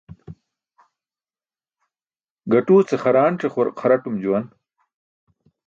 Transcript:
Gaṭuu ce xaraanc̣e xaratum juwan.